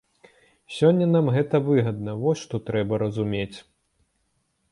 Сёння нам гэта выгадна, вось што трэба разумець.